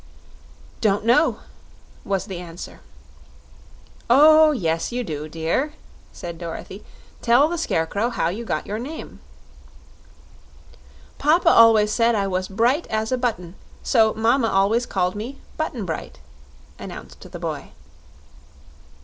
"Don't know," was the answer. "Oh yes, you do, dear," said Dorothy. "Tell the Scarecrow how you got your name." "Papa always said I was bright as a button, so mama always called me Button Bright," announced the boy.